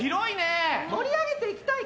盛り上げていきたい！